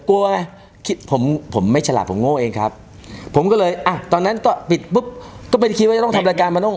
กลัวคิดผมผมไม่ฉลาดผมโง่เองครับผมก็เลยอ่ะตอนนั้นก็ปิดปุ๊บก็เป็นคิดว่าจะต้องทำรายการมาโน่